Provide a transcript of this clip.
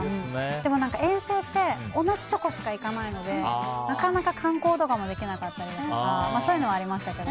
でも何か、遠征って同じところしか行かないのでなかなか観光とかもできなかったりとかそういうのはありましたけど。